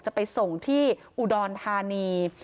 จะไปส่งที่อุดรธานี